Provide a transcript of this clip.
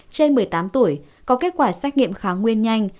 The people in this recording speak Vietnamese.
trên một mươi tám tuổi có kết quả xét nghiệm kháng nguyên nhanh